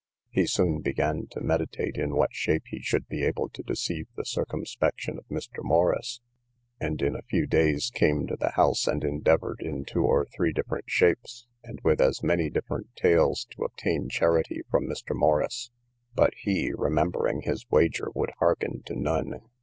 He soon began to meditate in what shape he should be able to deceive the circumspection of Mr. Morrice; and in a few days came to the house, and endeavoured in two or three different shapes, and with as many different tales, to obtain charity from Mr. Morrice, but he, remembering his wager, would hearken to none.